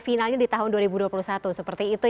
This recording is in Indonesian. finalnya di tahun dua ribu dua puluh satu seperti itu